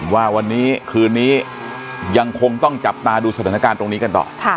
ว่าวันนี้คืนนี้ยังคงต้องจับตาดูสถานการณ์ตรงนี้กันต่อ